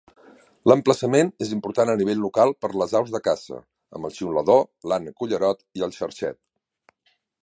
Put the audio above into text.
L"emplaçament és important a nivell local per les aus de caça, amb el xiulador, l'ànec cullerot i el xarxet.